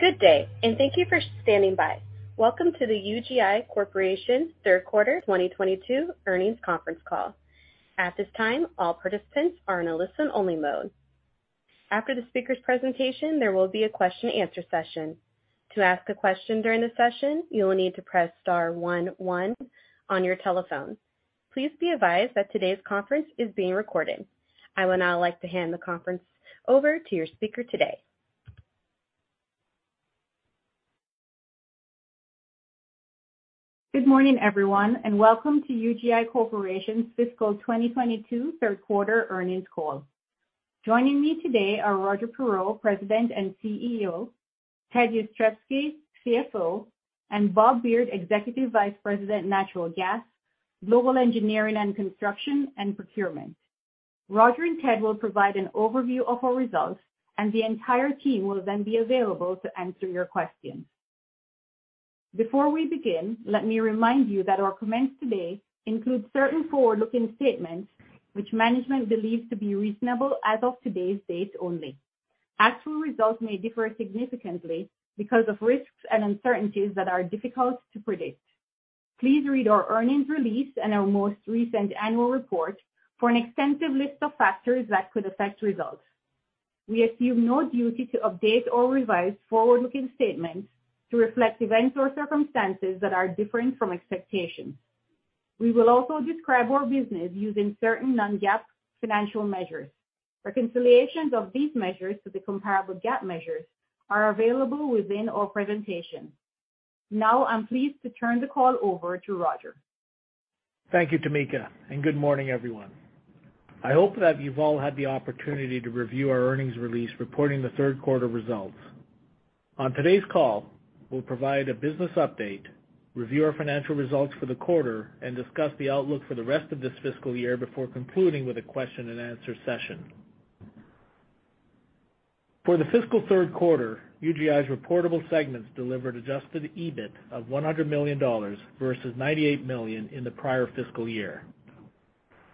Good day, and thank you for standing by. Welcome to the UGI Corporation third quarter 2022 earnings conference call. At this time, all participants are in a listen-only mode. After the speaker's presentation, there will be a question and answer session. To ask a question during the session, you will need to press star one one on your telephone. Please be advised that today's conference is being recorded. I would now like to hand the conference over to your speaker today. Good morning, everyone, and welcome to UGI Corporation's fiscal 2022 third quarter earnings call. Joining me today are Roger Perreault, President and CEO, Ted Jastrzebski, CFO, and Bob Beard, Executive Vice President, Natural Gas, Global Engineering and Construction and Procurement. Roger and Ted will provide an overview of our results and the entire team will then be available to answer your questions. Before we begin, let me remind you that our comments today include certain forward-looking statements which management believes to be reasonable as of today's date only. Actual results may differ significantly because of risks and uncertainties that are difficult to predict. Please read our earnings release and our most recent annual report for an extensive list of factors that could affect results. We assume no duty to update or revise forward-looking statements to reflect events or circumstances that are different from expectations. We will also describe our business using certain non-GAAP financial measures. Reconciliations of these measures to the comparable GAAP measures are available within our presentation. Now I'm pleased to turn the call over to Roger. Thank you, Tamika, and good morning, everyone. I hope that you've all had the opportunity to review our earnings release reporting the third quarter results. On today's call, we'll provide a business update, review our financial results for the quarter, and discuss the outlook for the rest of this fiscal year before concluding with a question and answer session. For the fiscal third quarter, UGI's reportable segments delivered adjusted EBIT of $100 million versus $98 million in the prior fiscal year.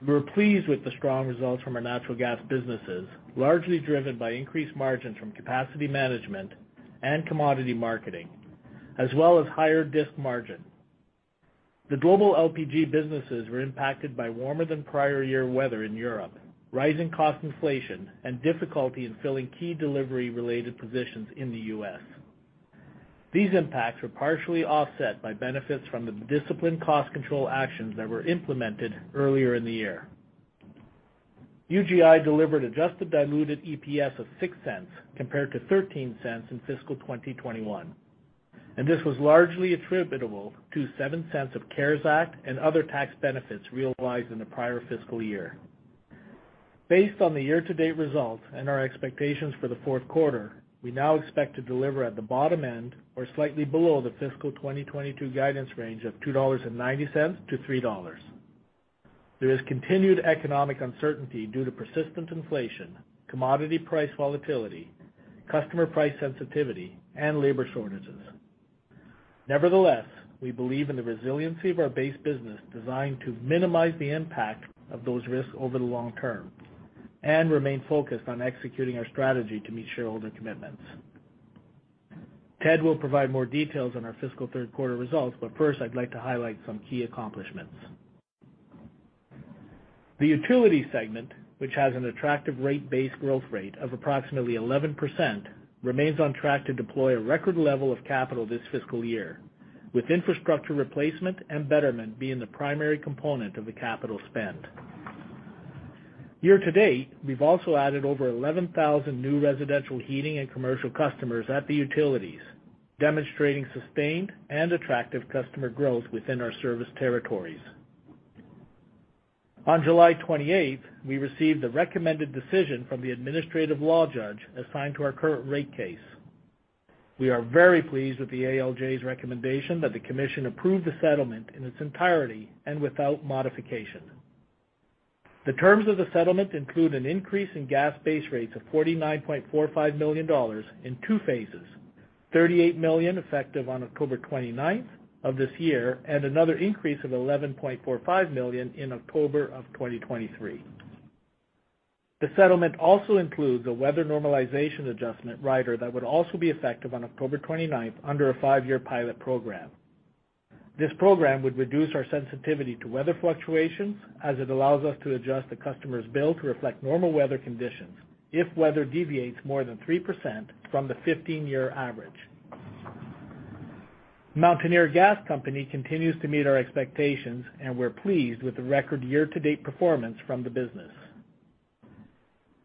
We're pleased with the strong results from our natural gas businesses, largely driven by increased margins from capacity management and commodity marketing, as well as higher DISC margin. The global LPG businesses were impacted by warmer than prior year weather in Europe, rising cost inflation, and difficulty in filling key delivery-related positions in the U.S. These impacts were partially offset by benefits from the disciplined cost control actions that were implemented earlier in the year. UGI delivered adjusted diluted EPS of $0.06 compared to $0.13 in fiscal 2021, and this was largely attributable to $0.07 of CARES Act and other tax benefits realized in the prior fiscal year. Based on the year-to-date results and our expectations for the fourth quarter, we now expect to deliver at the bottom end or slightly below the fiscal 2022 guidance range of $2.90-$3. There is continued economic uncertainty due to persistent inflation, commodity price volatility, customer price sensitivity, and labor shortages. Nevertheless, we believe in the resiliency of our base business designed to minimize the impact of those risks over the long term and remain focused on executing our strategy to meet shareholder commitments. Ted will provide more details on our fiscal third quarter results, but first, I'd like to highlight some key accomplishments. The utility segment, which has an attractive rate base growth rate of approximately 11%, remains on track to deploy a record level of capital this fiscal year, with infrastructure replacement and betterment being the primary component of the capital spend. Year-to-date, we've also added over 11,000 new residential heating and commercial customers at the utilities, demonstrating sustained and attractive customer growth within our service territories. On July 28th, we received the recommended decision from the administrative law judge assigned to our current rate case. We are very pleased with the ALJ's recommendation that the commission approve the settlement in its entirety and without modification. The terms of the settlement include an increase in gas base rates of $49.45 million in two phases, $38 million effective on October 29th of this year, and another increase of $11.45 million in October of 2023. The settlement also includes a weather normalization adjustment rider that would also be effective on October 29th under a five-year pilot program. This program would reduce our sensitivity to weather fluctuations as it allows us to adjust the customer's bill to reflect normal weather conditions if weather deviates more than 3% from the 15-year average. Mountaineer Gas Company continues to meet our expectations, and we're pleased with the record year-to-date performance from the business.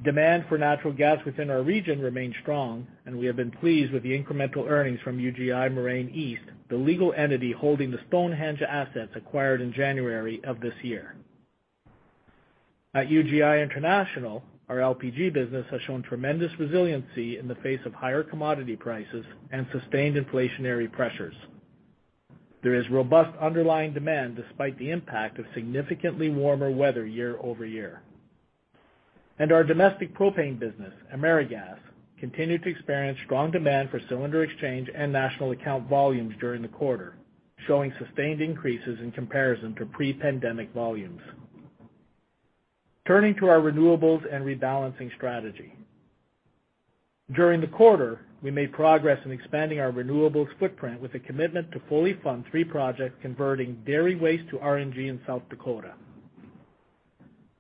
Demand for natural gas within our region remains strong, and we have been pleased with the incremental earnings from UGI Moraine East, the legal entity holding the Stonehenge assets acquired in January of this year. At UGI International, our LPG business has shown tremendous resiliency in the face of higher commodity prices and sustained inflationary pressures. There is robust underlying demand despite the impact of significantly warmer weather year over year. Our domestic propane business, AmeriGas, continued to experience strong demand for cylinder exchange and national account volumes during the quarter, showing sustained increases in comparison to pre-pandemic volumes. Turning to our renewables and rebalancing strategy. During the quarter, we made progress in expanding our renewables footprint with a commitment to fully fund three projects converting dairy waste to RNG in South Dakota.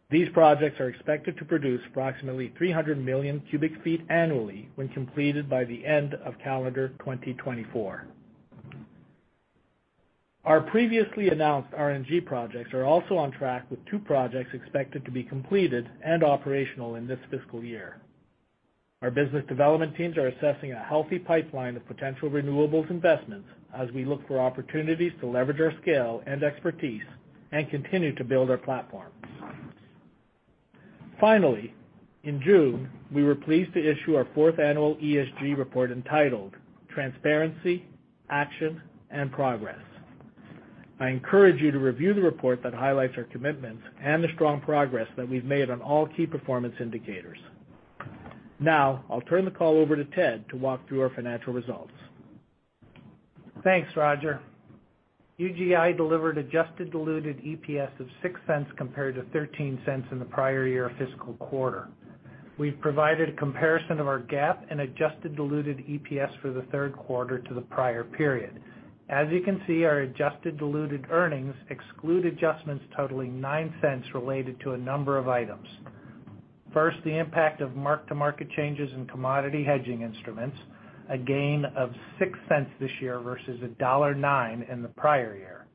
These projects are expected to produce approximately 300 million cubic feet annually when completed by the end of calendar 2024. Our previously announced RNG projects are also on track, with two projects expected to be completed and operational in this fiscal year. Our business development teams are assessing a healthy pipeline of potential renewables investments as we look for opportunities to leverage our scale and expertise and continue to build our platform. Finally, in June, we were pleased to issue our fourth annual ESG report entitled Transparency, Action and Progress. I encourage you to review the report that highlights our commitments and the strong progress that we've made on all key performance indicators. Now I'll turn the call over to Ted to walk through our financial results. Thanks, Roger. UGI delivered adjusted diluted EPS of $0.06 compared to $0.13 in the prior year fiscal quarter. We've provided a comparison of our GAAP and adjusted diluted EPS for the third quarter to the prior period. As you can see, our adjusted diluted earnings exclude adjustments totaling $0.09 related to a number of items. First, the impact of mark-to-market changes in commodity hedging instruments, a gain of $0.06 this year versus a loss of nine cents in the prior year.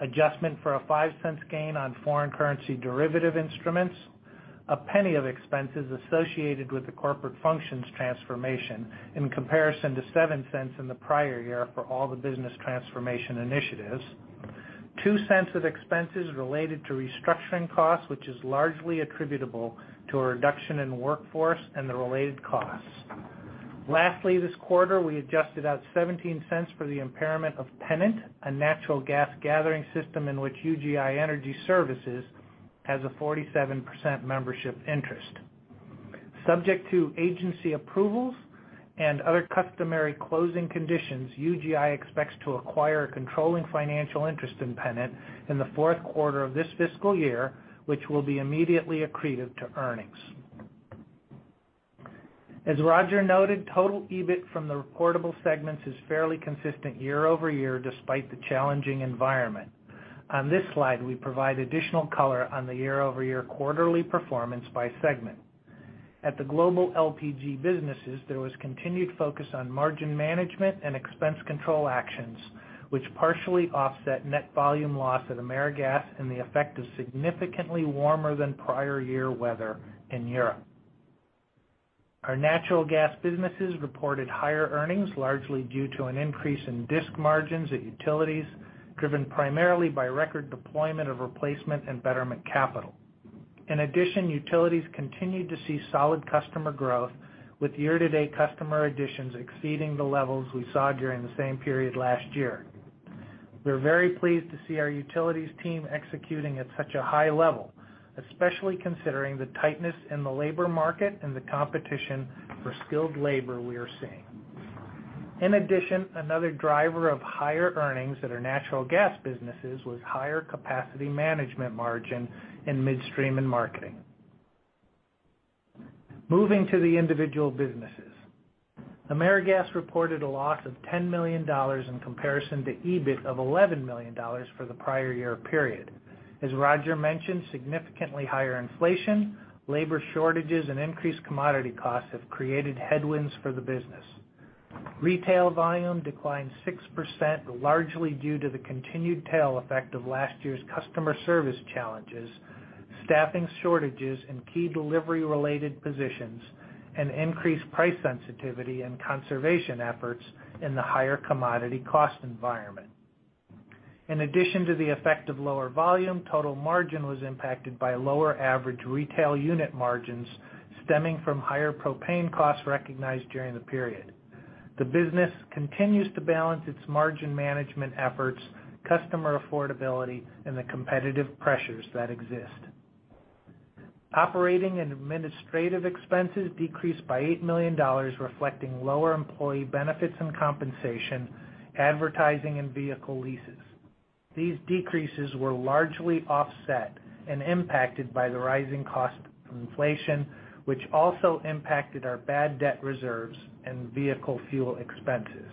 Adjustment for a $0.05 gain on foreign currency derivative instruments. $0.01 of expenses associated with the corporate functions transformation in comparison to $0.07 in the prior year for all the business transformation initiatives. $0.02 of expenses related to restructuring costs, which is largely attributable to a reduction in workforce and the related costs. Lastly, this quarter, we adjusted out $0.17 for the impairment of Pennant, a natural gas gathering system in which UGI Energy Services has a 47% membership interest. Subject to agency approvals and other customary closing conditions, UGI expects to acquire a controlling financial interest in Pennant in the fourth quarter of this fiscal year, which will be immediately accretive to earnings. As Roger noted, total EBIT from the reportable segments is fairly consistent year-over-year, despite the challenging environment. On this slide, we provide additional color on the year-over-year quarterly performance by segment. At the global LPG businesses, there was continued focus on margin management and expense control actions, which partially offset net volume loss at AmeriGas and the effect of significantly warmer than prior year weather in Europe. Our natural gas businesses reported higher earnings, largely due to an increase in DISC margins at utilities, driven primarily by record deployment of replacement and betterment capital. In addition, utilities continued to see solid customer growth, with year-to-date customer additions exceeding the levels we saw during the same period last year. We're very pleased to see our utilities team executing at such a high level, especially considering the tightness in the labor market and the competition for skilled labor we are seeing. In addition, another driver of higher earnings at our natural gas businesses was higher capacity management margin in Midstream & Marketing. Moving to the individual businesses. AmeriGas reported a loss of $10 million in comparison to EBIT of $11 million for the prior year period. As Roger mentioned, significantly higher inflation, labor shortages and increased commodity costs have created headwinds for the business. Retail volume declined 6%, largely due to the continued tail effect of last year's customer service challenges, staffing shortages in key delivery-related positions, and increased price sensitivity and conservation efforts in the higher commodity cost environment. In addition to the effect of lower volume, total margin was impacted by lower average retail unit margins stemming from higher propane costs recognized during the period. The business continues to balance its margin management efforts, customer affordability and the competitive pressures that exist. Operating and administrative expenses decreased by $8 million, reflecting lower employee benefits and compensation, advertising, and vehicle leases. These decreases were largely offset and impacted by the rising cost of inflation, which also impacted our bad debt reserves and vehicle fuel expenses.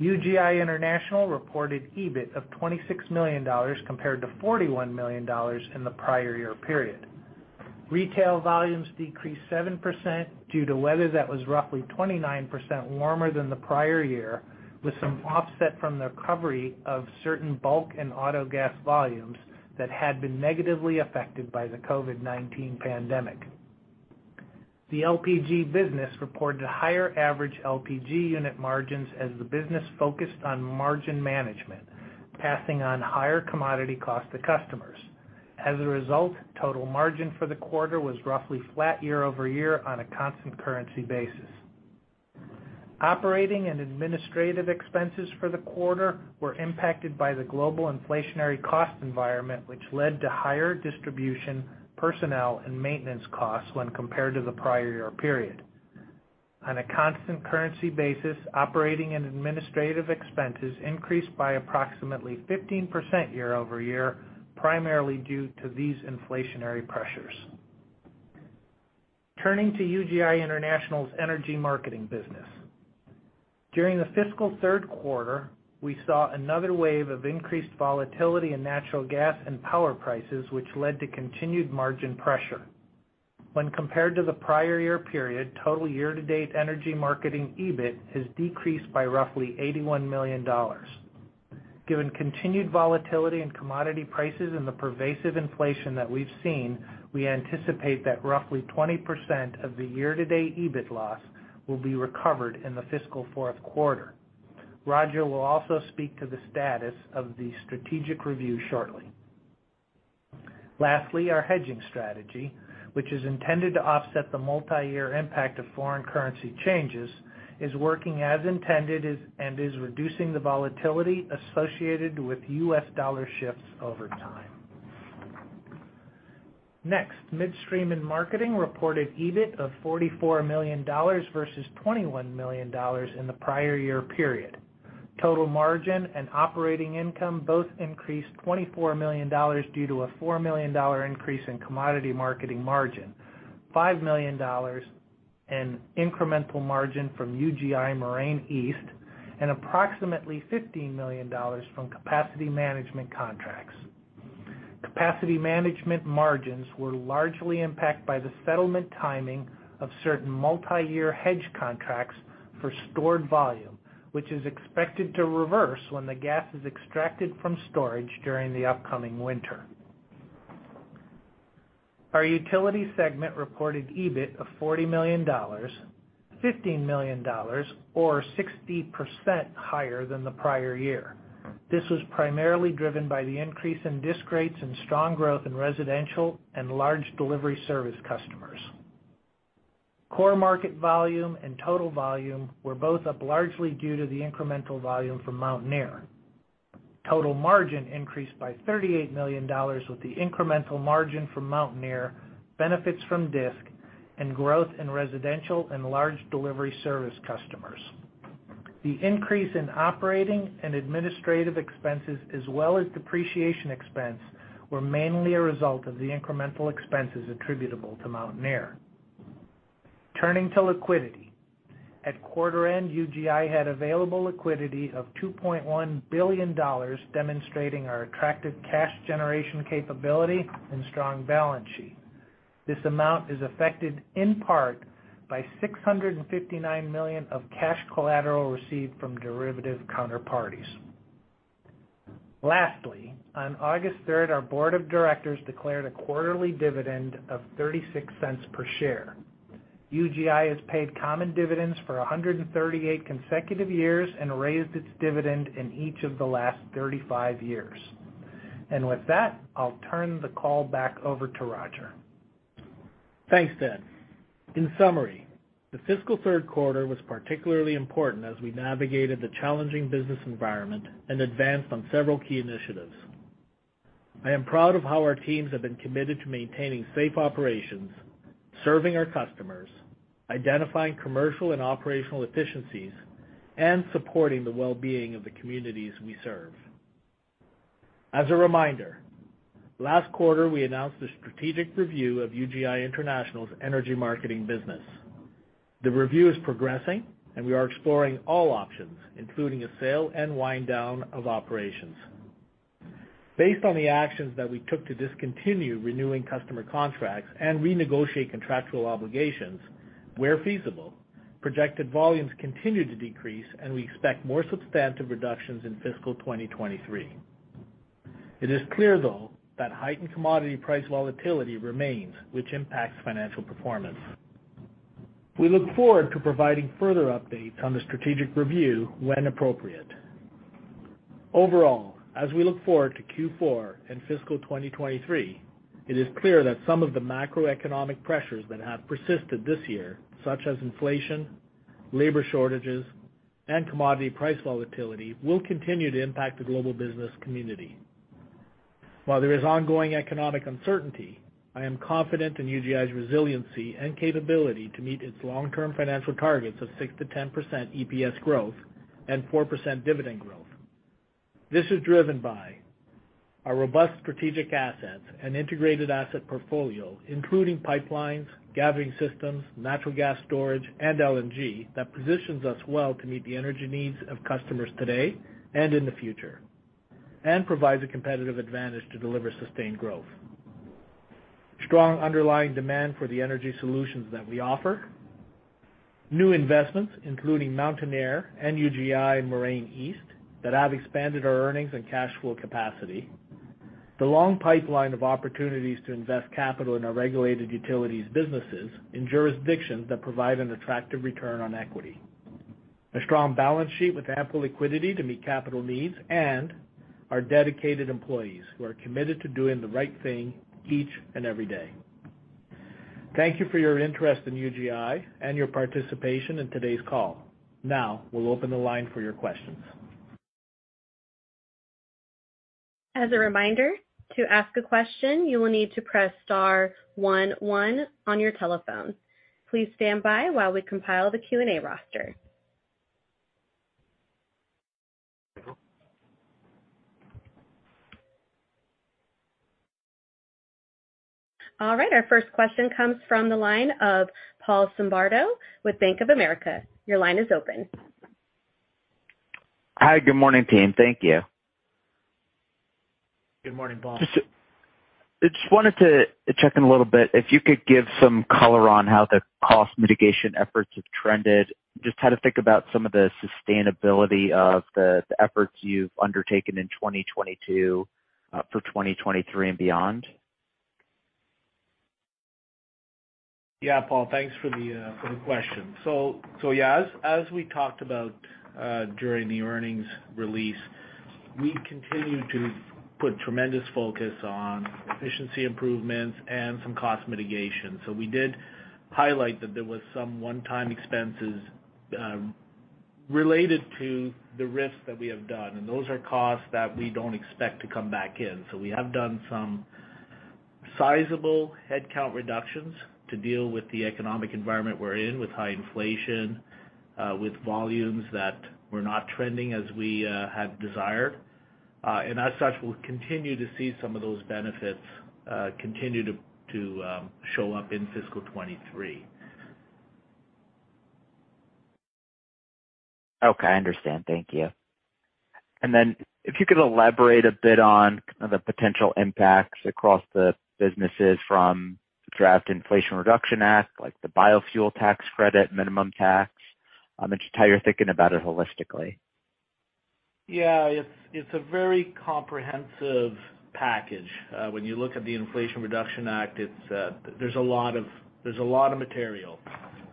UGI International reported EBIT of $26 million compared to $41 million in the prior year period. Retail volumes decreased 7% due to weather that was roughly 29% warmer than the prior year, with some offset from the recovery of certain bulk and auto gas volumes that had been negatively affected by the COVID-19 pandemic. The LPG business reported higher average LPG unit margins as the business focused on margin management, passing on higher commodity costs to customers. As a result, total margin for the quarter was roughly flat year-over-year on a constant currency basis. Operating and administrative expenses for the quarter were impacted by the global inflationary cost environment, which led to higher distribution, personnel, and maintenance costs when compared to the prior year period. On a constant currency basis, operating and administrative expenses increased by approximately 15% year-over-year, primarily due to these inflationary pressures. Turning to UGI Energy Marketing business. During the fiscal third quarter, we saw another wave of increased volatility in natural gas and power prices, which led to continued margin pressure. When compared to the prior year period, total Energy Marketing ebit has decreased by roughly $81 million. Given continued volatility in commodity prices and the pervasive inflation that we've seen, we anticipate that roughly 20% of the year-to-date EBIT loss will be recovered in the fiscal fourth quarter. Roger will also speak to the status of the strategic review shortly. Lastly, our hedging strategy, which is intended to offset the multi-year impact of foreign currency changes, is working as intended and is reducing the volatility associated with U.S. dollar shifts over time. Next, Midstream & Marketing reported EBIT of $44 million versus $21 million in the prior year period. Total margin and operating income both increased $24 million due to a $4 million increase in commodity marketing margin, $5 million in incremental margin from UGI Moraine East, and approximately $15 million from capacity management contracts. Capacity management margins were largely impacted by the settlement timing of certain multi-year hedge contracts for stored volume, which is expected to reverse when the gas is extracted from storage during the upcoming winter. Our utility segment reported EBIT of $40 million, $15 million, or 60% higher than the prior year. This was primarily driven by the increase in DISC rates and strong growth in residential and large delivery service customers. Core market volume and total volume were both up largely due to the incremental volume from Mountaineer. Total margin increased by $38 million, with the incremental margin from Mountaineer benefits from DISC and growth in residential and large delivery service customers. The increase in operating and administrative expenses, as well as depreciation expense, were mainly a result of the incremental expenses attributable to Mountaineer. Turning to liquidity. At quarter end, UGI had available liquidity of $2.1 billion, demonstrating our attractive cash generation capability and strong balance sheet. This amount is affected in part by $659 million of cash collateral received from derivative counterparties. Lastly, on August third, our board of directors declared a quarterly dividend of $0.36 per share. UGI has paid common dividends for 138 consecutive years and raised its dividend in each of the last 35 years. With that, I'll turn the call back over to Roger. Thanks, Ted. In summary, the fiscal third quarter was particularly important as we navigated the challenging business environment and advanced on several key initiatives. I am proud of how our teams have been committed to maintaining safe operations, serving our customers, identifying commercial and operational efficiencies, and supporting the well-being of the communities we serve. As a reminder, last quarter, we announced the strategic review of UGI Energy Marketing business. The review is progressing, and we are exploring all options, including a sale and wind down of operations. Based on the actions that we took to discontinue renewing customer contracts and renegotiate contractual obligations, where feasible, projected volumes continued to decrease, and we expect more substantive reductions in fiscal 2023. It is clear, though, that heightened commodity price volatility remains, which impacts financial performance. We look forward to providing further updates on the strategic review when appropriate. Overall, as we look forward to Q4 and fiscal 2023, it is clear that some of the macroeconomic pressures that have persisted this year, such as inflation, labor shortages, and commodity price volatility, will continue to impact the global business community. While there is ongoing economic uncertainty, I am confident in UGI's resiliency and capability to meet its long-term financial targets of 6%-10% EPS growth and 4% dividend growth. This is driven by our robust strategic assets and integrated asset portfolio, including pipelines, gathering systems, natural gas storage, and LNG that positions us well to meet the energy needs of customers today and in the future and provides a competitive advantage to deliver sustained growth. Strong underlying demand for the energy solutions that we offer. New investments, including Mountaineer and UGI Moraine East, that have expanded our earnings and cash flow capacity. The long pipeline of opportunities to invest capital in our regulated utilities businesses in jurisdictions that provide an attractive return on equity. A strong balance sheet with ample liquidity to meet capital needs and our dedicated employees who are committed to doing the right thing each and every day. Thank you for your interest in UGI and your participation in today's call. Now we'll open the line for your questions. As a reminder, to ask a question, you will need to press star one one on your telephone. Please stand by while we compile the Q&A roster. All right, our first question comes from the line of Paul Zimbardo with Bank of America. Your line is open. Hi. Good morning, team. Thank you. Good morning, Paul. Just wanted to check in a little bit if you could give some color on how the cost mitigation efforts have trended, just how to think about some of the sustainability of the efforts you've undertaken in 2022, for 2023 and beyond. Yeah, Paul, thanks for the question. Yeah, as we talked about during the earnings release, we continue to put tremendous focus on efficiency improvements and some cost mitigation. We did highlight that there was some one-time expenses related to the RIFs that we have done, and those are costs that we don't expect to come back in. We have done some sizable headcount reductions to deal with the economic environment we're in with high inflation, with volumes that were not trending as we have desired. As such, we'll continue to see some of those benefits continue to show up in fiscal 2023. Okay, I understand. Thank you. If you could elaborate a bit on kind of the potential impacts across the businesses from Inflation Reduction Act, like the biofuel tax credit, minimum tax, and just how you're thinking about it holistically. Yeah. It's a very comprehensive package. When you look at the Inflation Reduction Act, it's, there's a lot of material.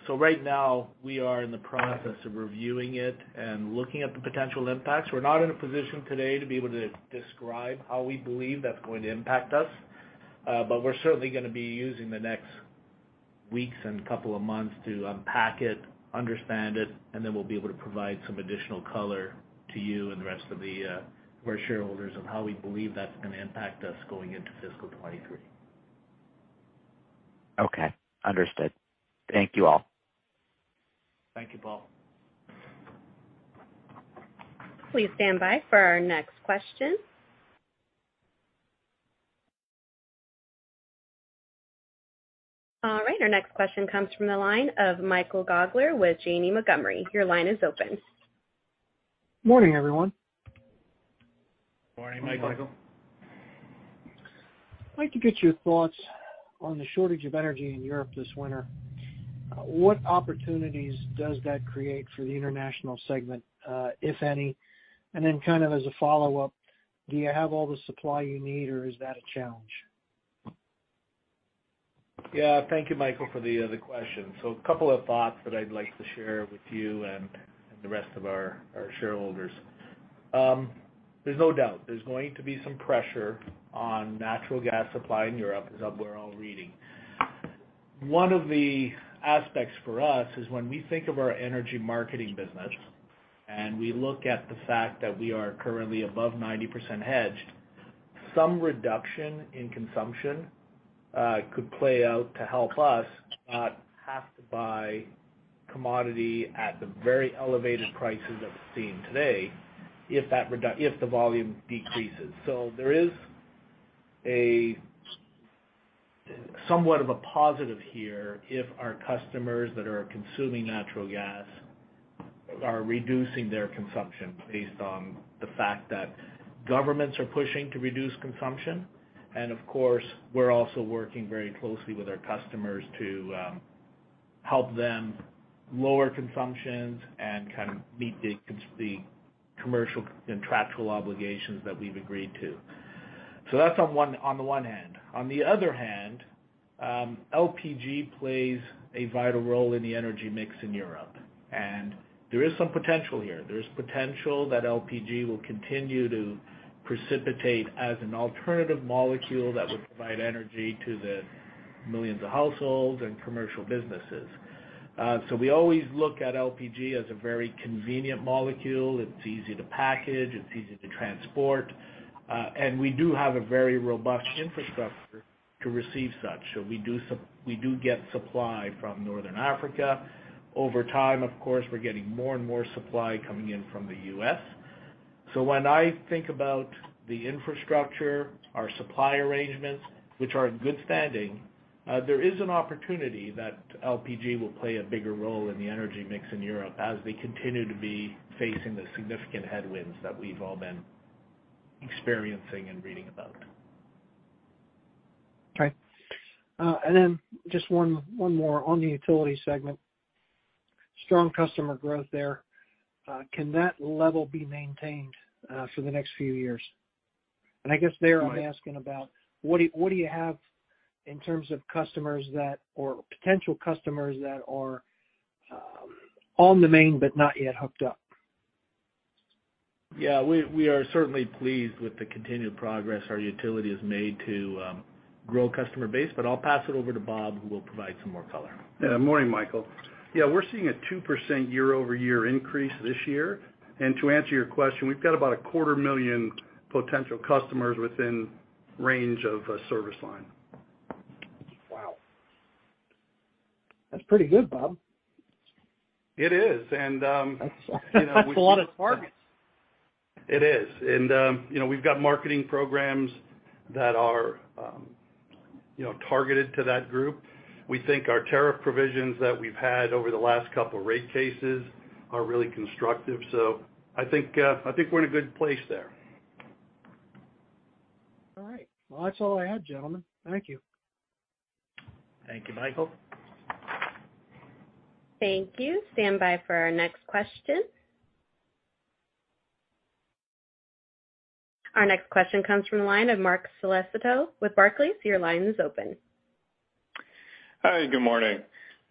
Right now, we are in the process of reviewing it and looking at the potential impacts. We're not in a position today to be able to describe how we believe that's going to impact us. We're certainly gonna be using the next weeks and couple of months to unpack it, understand it, and then we'll be able to provide some additional color to you and the rest of the, our shareholders on how we believe that's gonna impact us going into fiscal 2023. Okay. Understood. Thank you all. Thank you, Paul. Please stand by for our next question. All right, our next question comes from the line of Michael Gaugler with Janney Montgomery Scott. Your line is open. Morning, everyone. Morning, Michael. I'd like to get your thoughts on the shortage of energy in Europe this winter. What opportunities does that create for the international segment, if any? Kind of as a follow-up, do you have all the supply you need, or is that a challenge? Yeah. Thank you, Michael, for the question. A couple of thoughts that I'd like to share with you and the rest of our shareholders. There's no doubt there's going to be some pressure on natural gas supply in Europe as we're all reading. One of the aspects for us is when we think of Energy Marketing business, and we look at the fact that we are currently above 90% hedged. Some reduction in consumption could play out to help us not have to buy commodity at the very elevated prices that we're seeing today if the volume decreases. There is somewhat of a positive here if our customers that are consuming natural gas are reducing their consumption based on the fact that governments are pushing to reduce consumption. Of course, we're also working very closely with our customers to help them lower consumptions and kind of meet the commercial contractual obligations that we've agreed to. That's on the one hand. On the other hand, LPG plays a vital role in the energy mix in Europe, and there is some potential here. There's potential that LPG will continue to precipitate as an alternative molecule that would provide energy to the millions of households and commercial businesses. So we always look at LPG as a very convenient molecule. It's easy to package, it's easy to transport, and we do have a very robust infrastructure to receive such. So we do get supply from Northern Africa. Over time, of course, we're getting more and more supply coming in from the U.S. When I think about the infrastructure, our supply arrangements, which are in good standing, there is an opportunity that LPG will play a bigger role in the energy mix in Europe as they continue to be facing the significant headwinds that we've all been experiencing and reading about. Okay. Just one more on the Utility segment. Strong customer growth there. Can that level be maintained for the next few years? I guess there I'm asking about what do you have in terms of potential customers that are on the main but not yet hooked up? Yeah. We are certainly pleased with the continued progress our utility has made to grow customer base, but I'll pass it over to Bob, who will provide some more color. Yeah. Morning, Michael. Yeah, we're seeing a 2% year-over-year increase this year. To answer your question, we've got about 250,000 potential customers within range of a service line. Wow. That's pretty good, Bob. It is. And, um, you know, we- That's a lot of targets. It is. You know, we've got marketing programs that are, you know, targeted to that group. We think our tariff provisions that we've had over the last couple of rate cases are really constructive. I think we're in a good place there. All right. Well, that's all I had, gentlemen. Thank you. Thank you, Michael. Thank you. Stand by for our next question. Our next question comes from the line of Marc Solecitto with Barclays. Your line is open. Hi, good morning.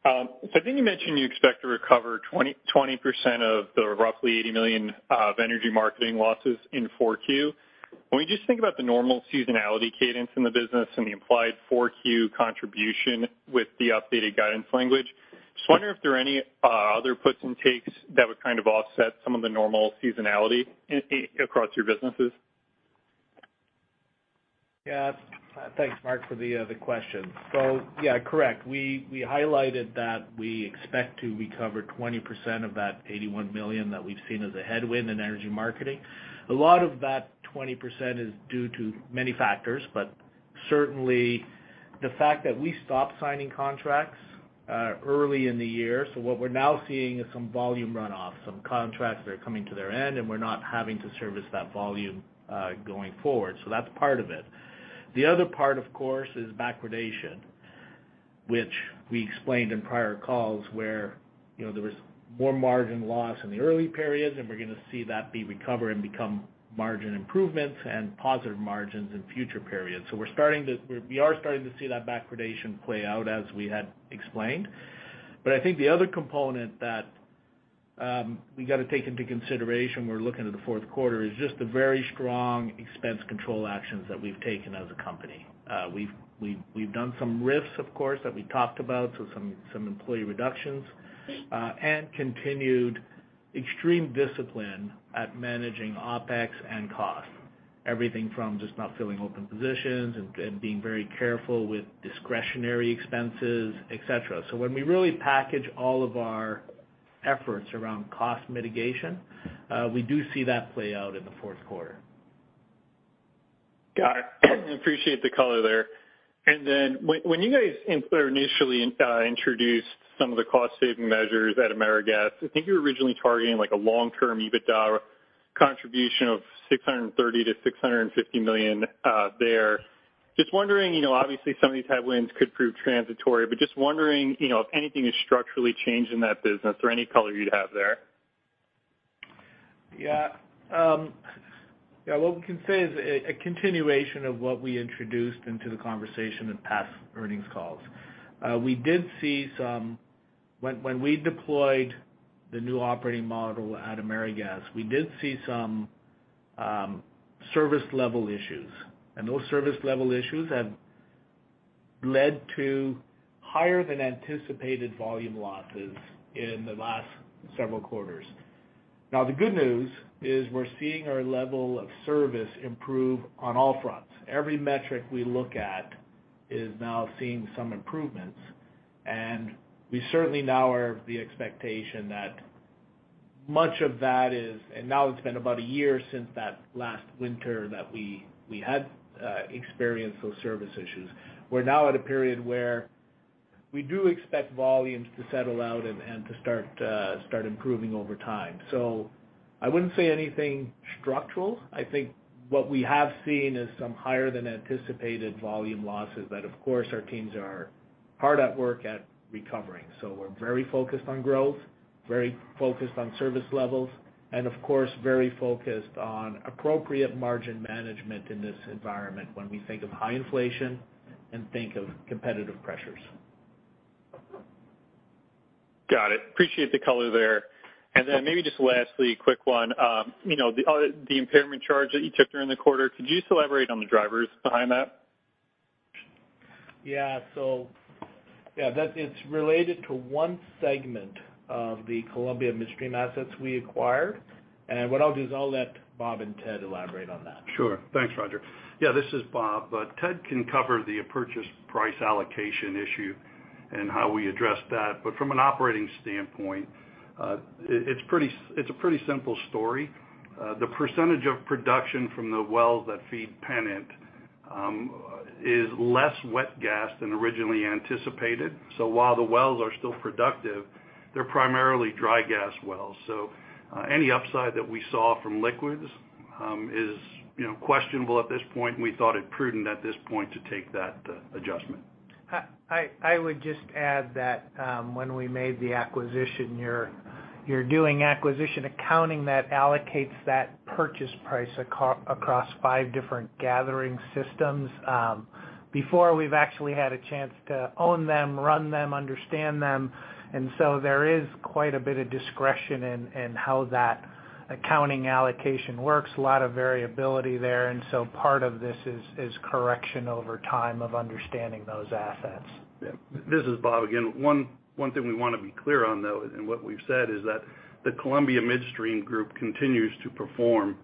I think you mentioned you expect to recover 20%-20% of the roughly $80 million Energy Marketing losses in Q4. When we just think about the normal seasonality cadence in the business and the implied Q4 contribution with the updated guidance language, just wonder if there are any other puts and takes that would kind of offset some of the normal seasonality across your businesses? Yeah. Thanks, Marc, for the question. Yeah, correct. We highlighted that we expect to recover 20% of that $81 million that we've seen as a headwind Energy Marketing. a lot of that 20% is due to many factors, but certainly the fact that we stopped signing contracts early in the year. What we're now seeing is some volume runoff, some contracts that are coming to their end, and we're not having to service that volume going forward. That's part of it. The other part, of course, is backwardation, which we explained in prior calls, where you know, there was more margin loss in the early periods, and we're gonna see that be recovered and become margin improvements and positive margins in future periods. We are starting to see that backwardation play out as we had explained. I think the other component that we got to take into consideration, we're looking at the fourth quarter, is just the very strong expense control actions that we've taken as a company. We've done some RIFs, of course, that we talked about, some employee reductions, and continued extreme discipline at managing OpEx and costs. Everything from just not filling open positions and being very careful with discretionary expenses, et cetera. When we really package all of our efforts around cost mitigation, we do see that play out in the fourth quarter. Got it. Appreciate the color there. Then when you guys initially introduced some of the cost saving measures at AmeriGas, I think you were originally targeting like a long-term EBITDA contribution of $630 million-$650 million there. Just wondering, you know, obviously some of these headwinds could prove transitory, but just wondering, you know, if anything has structurally changed in that business or any color you'd have there. Yeah. What we can say is a continuation of what we introduced into the conversation in past earnings calls. When we deployed the new operating model at AmeriGas, we did see some service level issues. Those service level issues have led to higher than anticipated volume losses in the last several quarters. The good news is we're seeing our level of service improve on all fronts. Every metric we look at is now seeing some improvements. We certainly now are of the expectation that much of that is and now it's been about a year since that last winter that we had experienced those service issues. We're now at a period where we do expect volumes to settle out and to start improving over time. I wouldn't say anything structural. I think what we have seen is some higher than anticipated volume losses that, of course, our teams are hard at work at recovering. We're very focused on growth, very focused on service levels, and of course, very focused on appropriate margin management in this environment when we think of high inflation and think of competitive pressures. Got it. Appreciate the color there. Maybe just lastly, quick one. You know, the impairment charge that you took during the quarter, could you elaborate on the drivers behind that? It's related to one segment of the Columbia Midstream assets we acquired. What I'll do is I'll let Bob and Ted elaborate on that. Sure. Thanks, Roger. Yeah, this is Bob. Ted can cover the purchase price allocation issue and how we address that. From an operating standpoint, it's a pretty simple story. The percentage of production from the wells that feed Pennant is less wet gas than originally anticipated. While the wells are still productive, they're primarily dry gas wells. Any upside that we saw from liquids is, you know, questionable at this point, and we thought it prudent at this point to take that adjustment. I would just add that, when we made the acquisition here. You're doing acquisition accounting that allocates that purchase price across five different gathering systems, before we've actually had a chance to own them, run them, understand them. There is quite a bit of discretion in how that accounting allocation works. A lot of variability there. Part of this is correction over time of understanding those assets. Yeah. This is Bob again. One thing we wanna be clear on, though, and what we've said, is that the Columbia Midstream Group continues to perform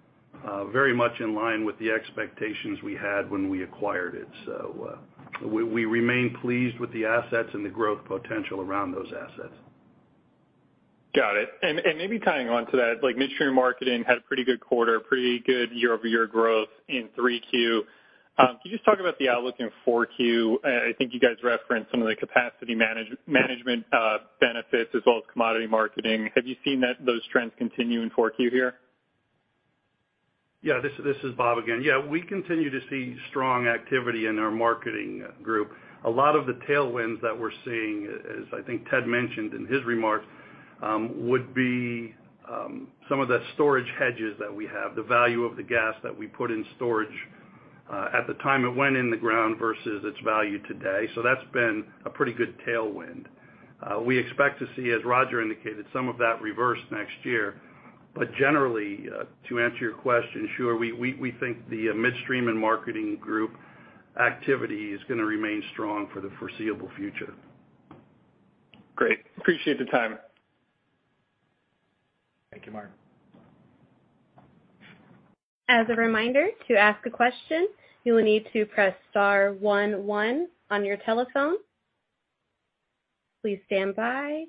very much in line with the expectations we had when we acquired it. We remain pleased with the assets and the growth potential around those assets. Got it. Maybe tying on to that, like, Midstream & Marketing had a pretty good quarter, pretty good year-over-year growth in Q3. Can you just talk about the outlook in Q4? I think you guys referenced some of the capacity management benefits as well as commodity marketing. Have you seen that, those trends continue in Q4 here? Yeah. This is Bob again. Yeah, we continue to see strong activity in our marketing group. A lot of the tailwinds that we're seeing, as I think Ted mentioned in his remarks, would be some of the storage hedges that we have. The value of the gas that we put in storage at the time it went in the ground versus its value today. That's been a pretty good tailwind. We expect to see, as Roger indicated, some of that reverse next year. Generally, to answer your question, sure. We think the Midstream & Marketing group activity is gonna remain strong for the foreseeable future. Great. Appreciate the time. Thank you, Marc. As a reminder, to ask a question, you will need to press star one one on your telephone. Please stand by.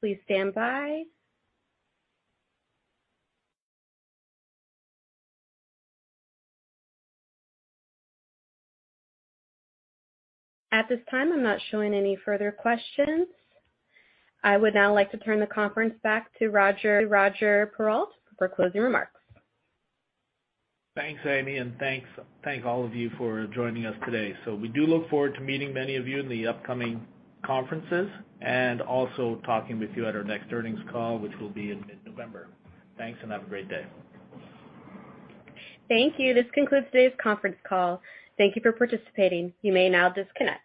Please stand by. At this time, I'm not showing any further questions. I would now like to turn the conference back to Roger Perreault for closing remarks. Thanks, Amy, and thank all of you for joining us today. We do look forward to meeting many of you in the upcoming conferences, and also talking with you at our next earnings call, which will be in mid-November. Thanks, and have a great day. Thank you. This concludes today's conference call. Thank you for participating. You may now disconnect.